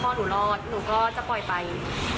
เพราะว่าไม่อยากให้เคสอื่นเกิดอย่างนี้อีก